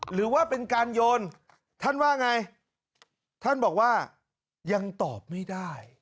หรือว่าเป็นการโยนท่านว่าไงท่านบอกว่ายังตอบไม่ได้